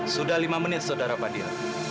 sudah lima menit saudara kava dil